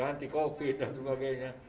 anti covid dan sebagainya